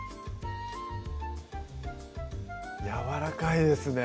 やわらかいですね